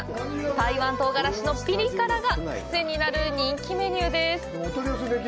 台湾唐辛子のピリ辛が癖になる人気メニューです。